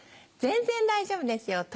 全然大丈夫ですよ